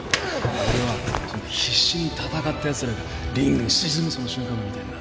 俺はその必死に闘ったやつらがリングに沈むその瞬間が見たいんだ